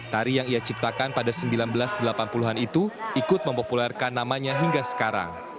tari yang ia ciptakan pada seribu sembilan ratus delapan puluh an itu ikut mempopulerkan namanya hingga sekarang